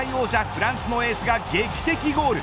フランスのエースが劇的ゴール。